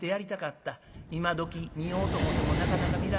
今どき見ようと思ってもなかなか見られへん。